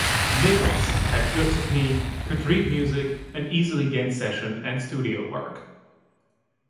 Nichols had good technique, could read music, and easily gained session and studio work.